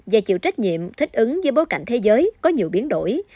và chịu trách nhiệm thích ứng với bối cảnh thế giới có nhiều biến đổi